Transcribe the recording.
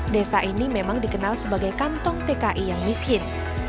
desa ini memang dikenal sebagai kantong tki yang miskin